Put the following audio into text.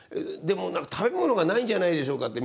「でも食べ物がないんじゃないでしょうか」